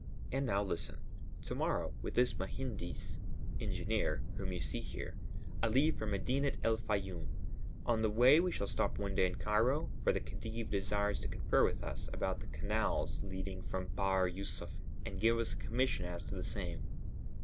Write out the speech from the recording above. And now listen. To morrow, with this mehendis (engineer) whom you see here, I leave for Medinet el Fayûm; on the way we shall stop one day in Cairo, for the Khedive desires to confer with us about the canals leading from Bahr Yûsuf and give us a commission as to the same.